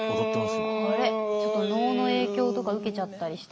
あれちょっと能の影響とか受けちゃったりして。